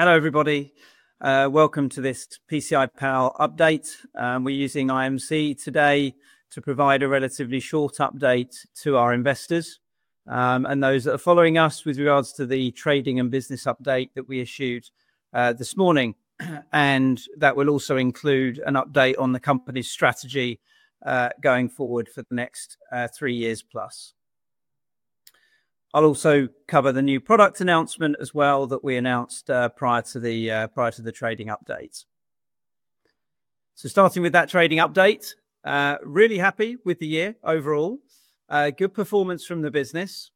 Hello, everybody. Welcome to this PCI Pal update. We're using IMC today to provide a relatively short update to our investors, and those that are following us with regards to the trading and business update that we issued this morning. And that will also include an update on the company's strategy, going forward for the next three years plus. I'll also cover the new product announcement as well that we announced prior to the trading updates. So, starting with that trading update, really happy with the year overall. Good performance from the business.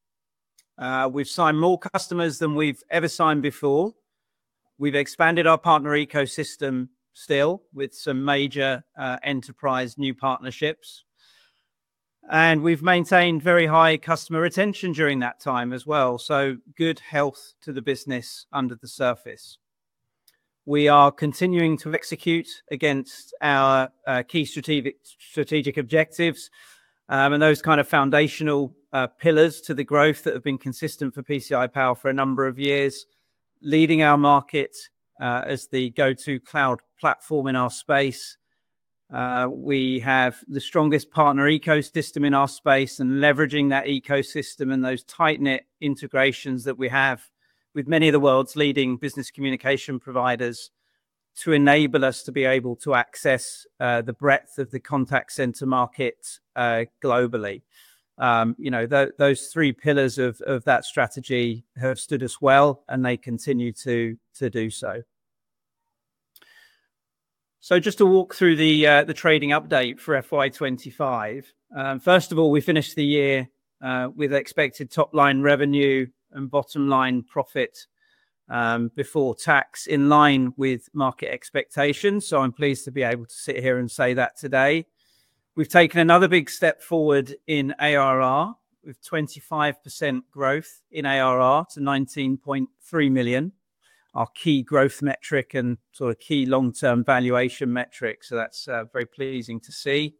We've signed more customers than we've ever signed before. We've expanded our partner ecosystem still with some major enterprise new partnerships. And we've maintained very high customer retention during that time as well. So, good health to the business under the surface. We are continuing to execute against our key strategic objectives, and those kind of foundational pillars to the growth that have been consistent for PCI Pal for a number of years, leading our market as the go-to cloud platform in our space. We have the strongest partner ecosystem in our space and leveraging that ecosystem and those tight-knit integrations that we have with many of the world's leading business communication providers to enable us to be able to access the breadth of the contact center market globally. You know, those three pillars of that strategy have stood us well, and they continue to do so, so just to walk through the trading update for FY 2025. First of all, we finished the year with expected top-line revenue and bottom-line profit before tax in line with market expectations. I'm pleased to be able to sit here and say that today. We've taken another big step forward in ARR. We've 25% growth in ARR to 19.3 million, our key growth metric and sort of key long-term valuation metric. That's very pleasing to see.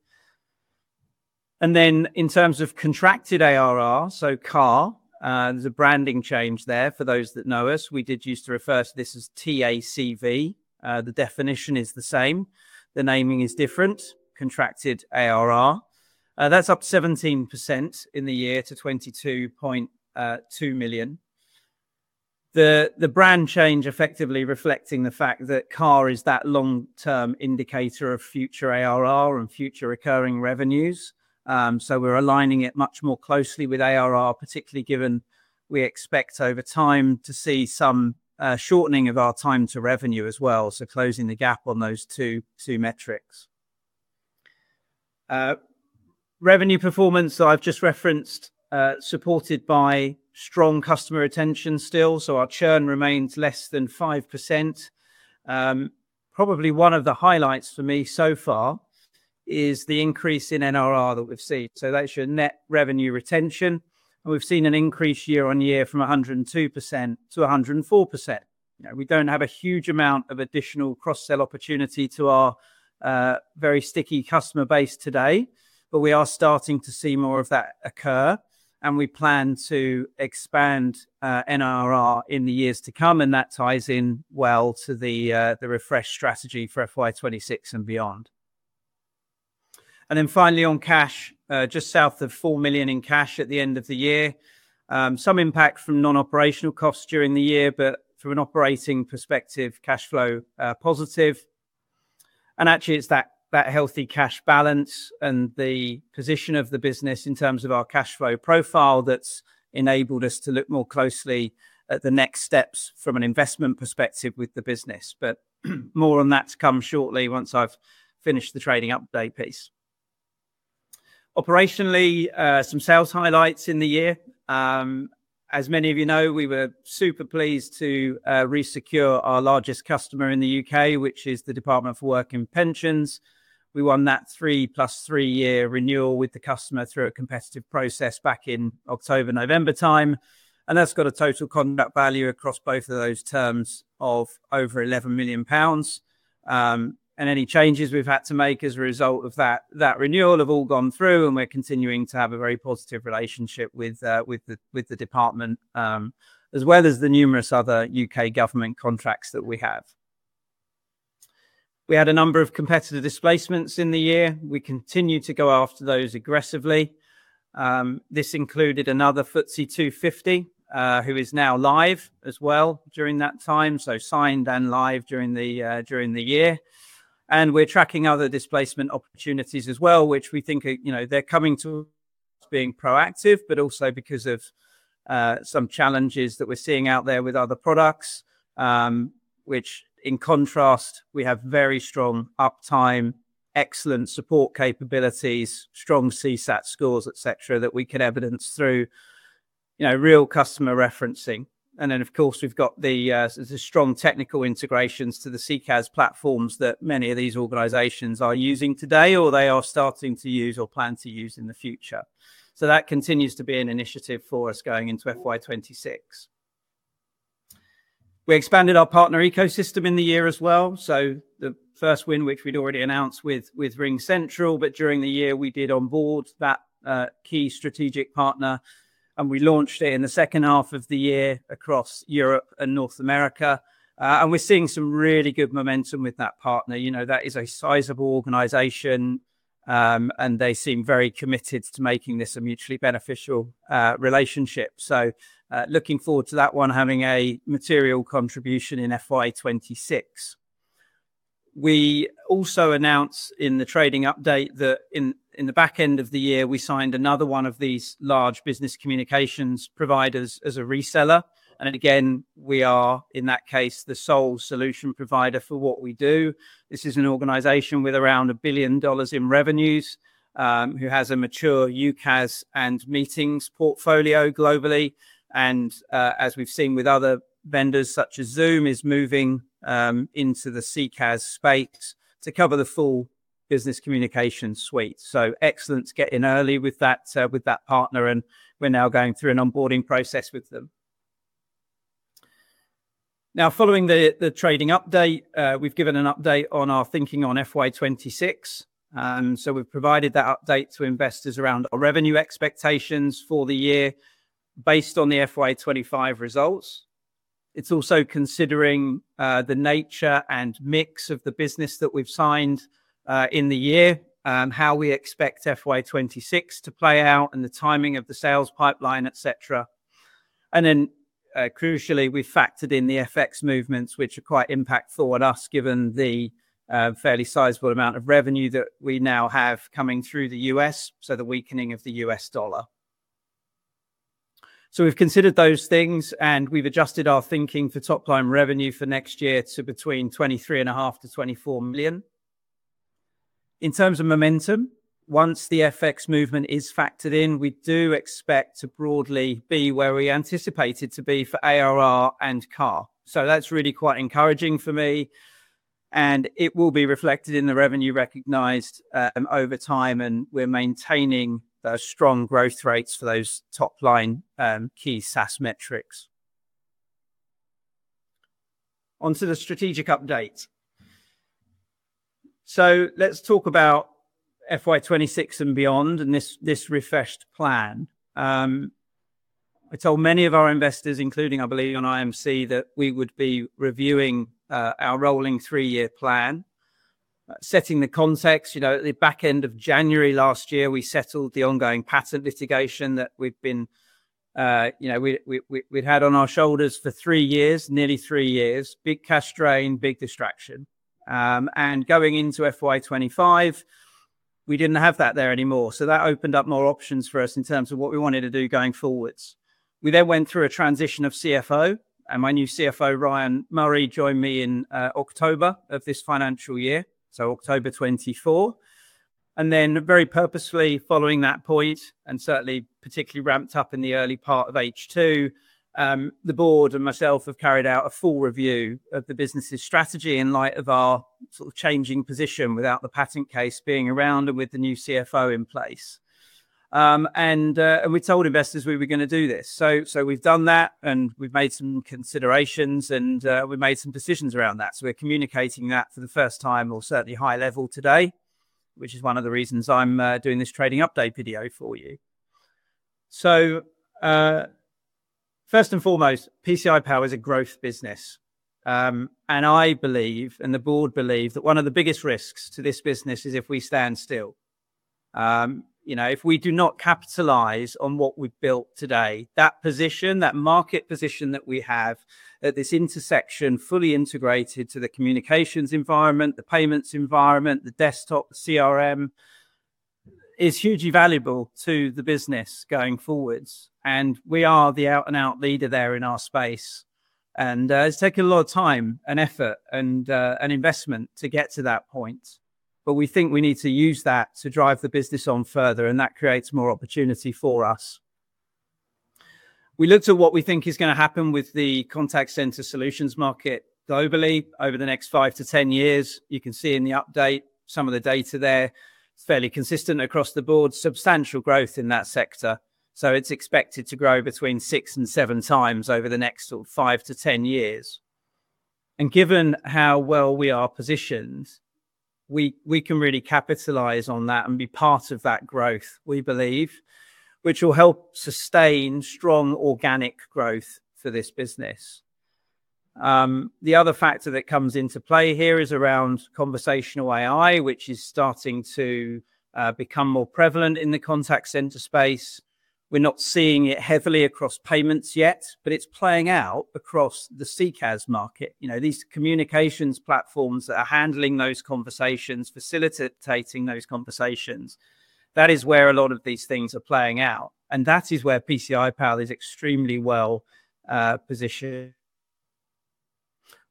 And then, in terms of contracted ARR, so CARR, there's a branding change there for those that know us. We did used to refer to this as TACV. The definition is the same. The naming is different, contracted ARR. That's up 17% in the year to 22.2 million. The brand change effectively reflecting the fact that CARR is that long-term indicator of future ARR and future recurring revenues. We're aligning it much more closely with ARR, particularly given we expect over time to see some shortening of our time to revenue as well. Closing the gap on those two metrics. Revenue performance that I've just referenced, supported by strong customer retention still. So, our churn remains less than 5%. Probably one of the highlights for me so far is the increase in NRR that we've seen. So, that's your net revenue retention. And we've seen an increase year on year from 102%-104%. You know, we don't have a huge amount of additional cross-sell opportunity to our very sticky customer base today, but we are starting to see more of that occur. And we plan to expand NRR in the years to come. And that ties in well to the refresh strategy for FY 2026 and beyond. And then finally, on cash, just south of 4 million in cash at the end of the year. Some impact from non-operational costs during the year, but from an operating perspective, cash flow positive. Actually, it's that healthy cash balance and the position of the business in terms of our cash flow profile that's enabled us to look more closely at the next steps from an investment perspective with the business. But more on that to come shortly once I've finished the trading update piece. Operationally, some sales highlights in the year. As many of you know, we were super pleased to re-secure our largest customer in the U.K., which is the Department for Work and Pensions. We won that three plus three year renewal with the customer through a competitive process back in October, November time. And that's got a total contract value across both of those terms of over 11 million pounds. And any changes we've had to make as a result of that, that renewal have all gone through, and we're continuing to have a very positive relationship with the department, as well as the numerous other U.K. government contracts that we have. We had a number of competitor displacements in the year. We continue to go after those aggressively. This included another FTSE 250, who is now live as well during that time. So, signed and live during the year. And we're tracking other displacement opportunities as well, which we think are, you know, they're coming to us being proactive, but also because of some challenges that we're seeing out there with other products, which in contrast, we have very strong uptime, excellent support capabilities, strong CSAT scores, et cetera, that we can evidence through, you know, real customer referencing. And then, of course, we've got the strong technical integrations to the CCaaS platforms that many of these organizations are using today or they are starting to use or plan to use in the future. So, that continues to be an initiative for us going into FY 2026. We expanded our partner ecosystem in the year as well. So, the first win, which we'd already announced with RingCentral, but during the year we did onboard that key strategic partner, and we launched it in the second half of the year across Europe and North America. And we're seeing some really good momentum with that partner. You know, that is a sizable organization, and they seem very committed to making this a mutually beneficial relationship. So, looking forward to that one having a material contribution in FY 2026. We also announced in the trading update that in the back end of the year, we signed another one of these large business communications providers as a reseller. And again, we are in that case the sole solution provider for what we do. This is an organization with around $1 billion in revenues, who has a mature UCaaS and meetings portfolio globally. And, as we've seen with other vendors such as Zoom, is moving into the CCaaS space to cover the full business communication suite. So, excellent to get in early with that with that partner. And we're now going through an onboarding process with them. Now, following the trading update, we've given an update on our thinking on FY 2026, so we've provided that update to investors around our revenue expectations for the year based on the FY 2025 results. It's also considering the nature and mix of the business that we've signed in the year, how we expect FY 2026 to play out and the timing of the sales pipeline, et cetera. And then, crucially, we've factored in the FX movements, which are quite impactful on us given the fairly sizable amount of revenue that we now have coming through the U.S., so the weakening of the U.S. dollar. So, we've considered those things, and we've adjusted our thinking for top-line revenue for next year to between 23.5 million to 24 million. In terms of momentum, once the FX movement is factored in, we do expect to broadly be where we anticipated to be for ARR and CARR. So, that's really quite encouraging for me. And it will be reflected in the revenue recognized over time. And we're maintaining those strong growth rates for those top-line key SaaS metrics. Onto the strategic update. So, let's talk about FY 2026 and beyond and this refreshed plan. I told many of our investors, including, I believe, on IMC, that we would be reviewing our rolling three-year plan. Setting the context, you know, at the back end of January last year, we settled the ongoing patent litigation that we've been, you know, we'd had on our shoulders for three years, nearly three years. Big cash drain, big distraction, and going into FY 2025, we didn't have that there anymore. So, that opened up more options for us in terms of what we wanted to do going forwards. We then went through a transition of CFO, and my new CFO, Ryan Murray, joined me in October of this financial year, so October 2024. And then, very purposefully following that point, and certainly particularly ramped up in the early part of H2, the board and myself have carried out a full review of the business's strategy in light of our sort of changing position without the patent case being around and with the new CFO in place. And, and we told investors we were gonna do this. So, so we've done that, and we've made some considerations, and, we've made some decisions around that. So, we're communicating that for the first time or certainly high level today, which is one of the reasons I'm doing this trading update video for you. So, first and foremost, PCI Pal is a growth business. And I believe, and the board believe, that one of the biggest risks to this business is if we stand still. You know, if we do not capitalize on what we've built today, that position, that market position that we have at this intersection fully integrated to the communications environment, the payments environment, the desktop CRM, is hugely valuable to the business going forwards, and we are the out-and-out leader there in our space, and it's taken a lot of time and effort and investment to get to that point, but we think we need to use that to drive the business on further, and that creates more opportunity for us. We looked at what we think is gonna happen with the contact center solutions market globally over the next five to 10 years. You can see in the update some of the data there. It's fairly consistent across the board, substantial growth in that sector. It's expected to grow between six and seven times over the next sort of five to ten years. And given how well we are positioned, we can really capitalize on that and be part of that growth, we believe, which will help sustain strong organic growth for this business. The other factor that comes into play here is around conversational AI, which is starting to become more prevalent in the contact center space. We're not seeing it heavily across payments yet, but it's playing out across the CCaaS market. You know, these communications platforms that are handling those conversations, facilitating those conversations. That is where a lot of these things are playing out. And that is where PCI Pal is extremely well positioned.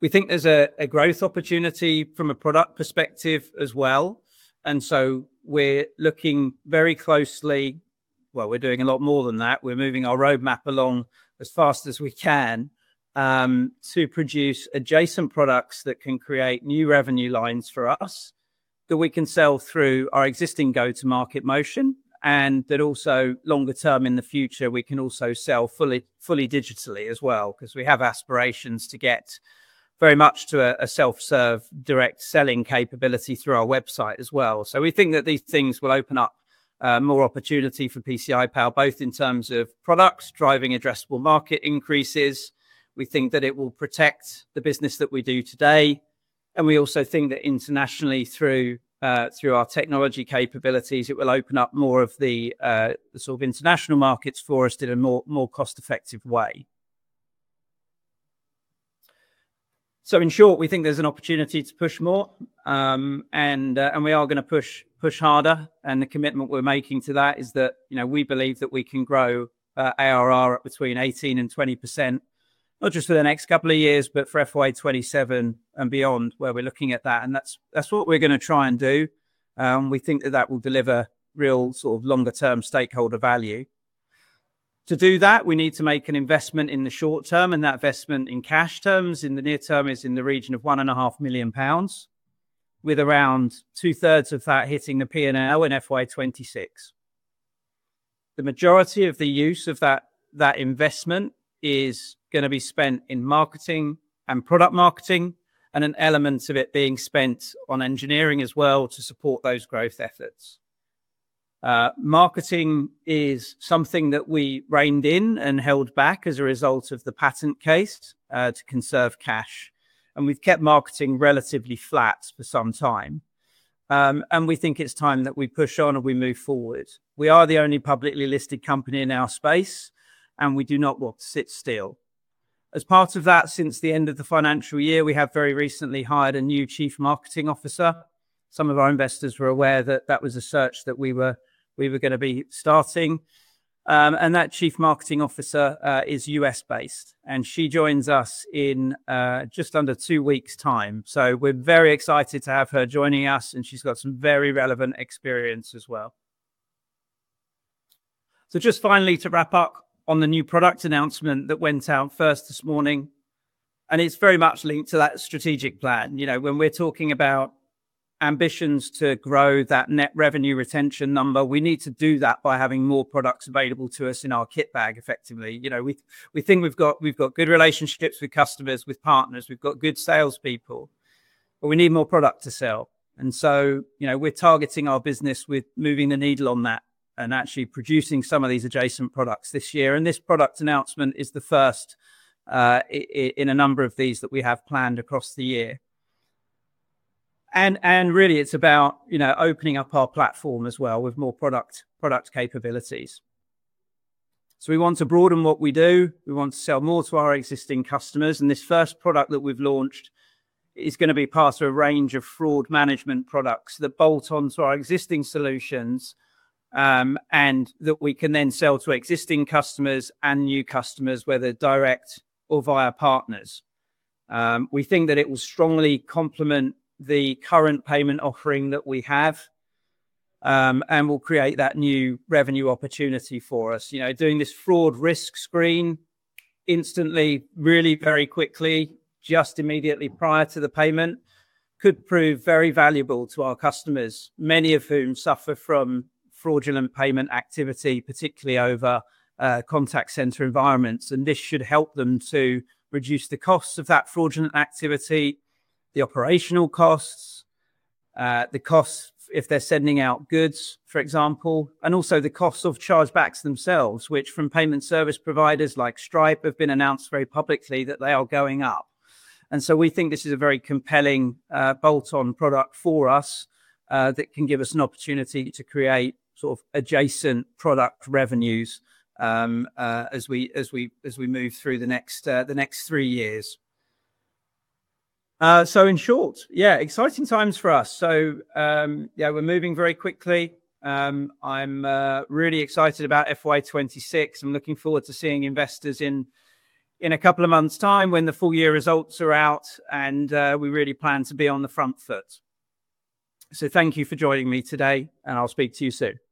We think there's a growth opportunity from a product perspective as well. And so, we're looking very closely. We're doing a lot more than that. We're moving our roadmap along as fast as we can, to produce adjacent products that can create new revenue lines for us that we can sell through our existing go-to-market motion. That also longer term in the future, we can also sell fully digitally as well, because we have aspirations to get very much to a self-serve direct selling capability through our website as well. We think that these things will open up more opportunity for PCI Pal, both in terms of products driving addressable market increases. We think that it will protect the business that we do today. We also think that internationally through our technology capabilities, it will open up more of the sort of international markets for us in a more cost-effective way. So, in short, we think there's an opportunity to push more. And we are gonna push, push harder. And the commitment we're making to that is that, you know, we believe that we can grow ARR at between 18% and 20%, not just for the next couple of years, but for FY 2027 and beyond where we're looking at that. And that's what we're gonna try and do. We think that will deliver real sort of longer-term stakeholder value. To do that, we need to make an investment in the short term, and that investment in cash terms in the near term is in the region of 1.5 million pounds, with around two-thirds of that hitting the P&L in FY 2026. The majority of the use of that, that investment is gonna be spent in marketing and product marketing, and an element of it being spent on engineering as well to support those growth efforts. Marketing is something that we reined in and held back as a result of the patent case, to conserve cash, and we've kept marketing relatively flat for some time, and we think it's time that we push on and we move forward. We are the only publicly listed company in our space, and we do not want to sit still. As part of that, since the end of the financial year, we have very recently hired a new Chief Marketing Officer. Some of our investors were aware that that was a search that we were, we were gonna be starting. And that Chief Marketing Officer is U.S.-based, and she joins us in just under two weeks' time. So, we're very excited to have her joining us, and she's got some very relevant experience as well. So, just finally to wrap up on the new product announcement that went out first this morning, and it's very much linked to that strategic plan. You know, when we're talking about ambitions to grow that net revenue retention number, we need to do that by having more products available to us in our kit bag effectively. You know, we think we've got good relationships with customers, with partners, we've got good salespeople, but we need more product to sell. And so, you know, we're targeting our business with moving the needle on that and actually producing some of these adjacent products this year. This product announcement is the first in a number of these that we have planned across the year. Really it's about, you know, opening up our platform as well with more product capabilities. We want to broaden what we do. We want to sell more to our existing customers. This first product that we've launched is gonna be part of a range of fraud management products that bolt onto our existing solutions, and that we can then sell to existing customers and new customers, whether direct or via partners. We think that it will strongly complement the current payment offering that we have, and will create that new revenue opportunity for us. You know, doing this fraud risk screen instantly, really very quickly, just immediately prior to the payment could prove very valuable to our customers, many of whom suffer from fraudulent payment activity, particularly over contact center environments. And this should help them to reduce the costs of that fraudulent activity, the operational costs, the costs if they're sending out goods, for example, and also the costs of chargebacks themselves, which from payment service providers like Stripe have been announced very publicly that they are going up. And so, we think this is a very compelling, bolt-on product for us, that can give us an opportunity to create sort of adjacent product revenues, as we move through the next three years. So in short, yeah, exciting times for us. So, yeah, we're moving very quickly. I'm really excited about FY 2026. I'm looking forward to seeing investors in a couple of months' time when the full year results are out, and we really plan to be on the front foot, so thank you for joining me today, and I'll speak to you soon.